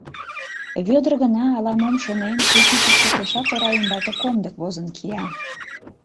Вӧдыр гына, ала-мом шонен, кутникыште тӧшак ора ӱмбаке комдык возын кия.